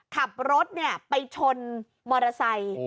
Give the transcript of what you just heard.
ขับรถไปชนมอเตอร์ไซค์